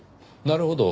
なるほど。